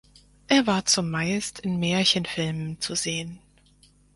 Er war zumeist in Märchenfilmen zu sehen.